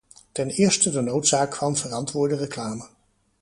Ten eerste de noodzaak van verantwoorde reclame.